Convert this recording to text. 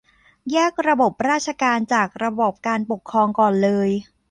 แยกระบบราชการจากระบอบการปกครองก่อนเลย